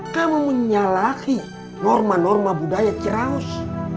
kamu menyalahi norma norma budaya ceraus